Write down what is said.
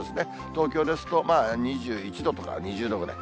東京ですと、２１度とか２０度ぐらい。